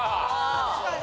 確かに。